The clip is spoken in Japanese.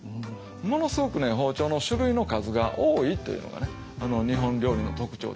ものすごく包丁の種類の数が多いっていうのが日本料理の特徴ですよね。